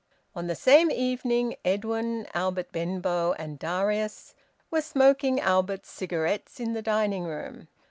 On the same evening, Edwin, Albert Benbow, and Darius were smoking Albert's cigarettes in the dining room.